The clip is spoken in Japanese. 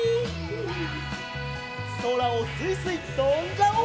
そらをすいすいとんじゃおう！